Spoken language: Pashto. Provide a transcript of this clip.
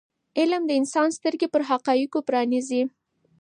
علم د انسان سترګې پر حقایضو پرانیزي.